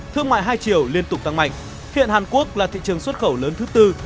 thương mại hai triệu liên tục tăng mạnh hiện hàn quốc là thị trường xuất khẩu lớn thứ tư